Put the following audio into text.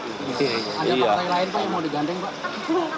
ada pabrik lain yang mau diganteng pak